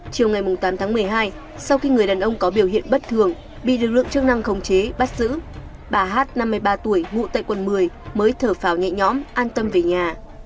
chiều ngày tám tháng một mươi hai sau khi người đàn ông có biểu hiện bất thường bị lực lượng chức năng khống chế bắt giữ bà hát năm mươi ba tuổi ngụ tại quận một mươi mới thở phà nhẹ nhõm an tâm về nhà